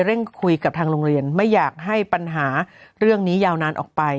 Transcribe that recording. คุยกับทางโรงเรียนไม่อยากให้ปัญหาเรื่องนี้ยาวนานออกไป